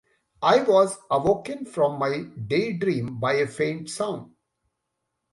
I was awoken from my daydream by a faint sound.